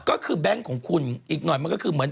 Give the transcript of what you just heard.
ก็คือแบงค์ของคุณอีกหน่อยมันก็คือเหมือน